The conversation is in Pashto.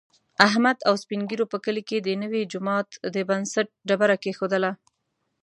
احمد او سپین ږېرو په کلي کې د نوي جوما د بنسټ ډبره کېښودله.